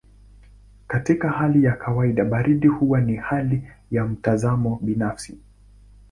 Katika hali ya kawaida baridi huwa ni hali ya mtazamo binafsi.